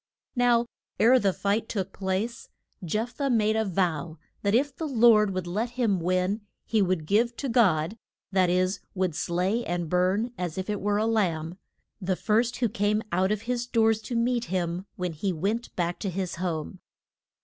Now ere the fight took place, Jeph thah made a vow that if the Lord would let him win he would give to God that is, would slay and burn as if it were a lamb the first who came out of his doors to meet him when he went back to his home.